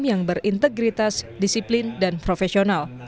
yang berintegritas disiplin dan profesional